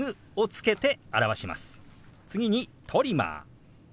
次に「トリマー」。